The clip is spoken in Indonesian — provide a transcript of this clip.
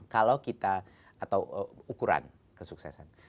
kalau kita atau ukuran kesuksesan